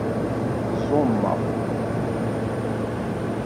Ẓumeɣ.